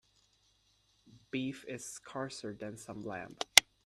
Beef is scarcer than some lamb.